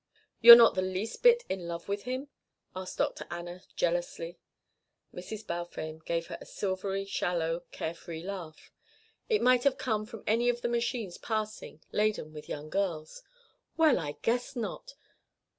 "You're not the least bit in love with him?" asked Dr. Anna jealously. Mrs. Balfame gave her silvery shallow care free laugh. It might have come from any of the machines passing, laden with young girls. "Well, I guess not!